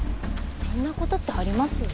そんな事ってあります？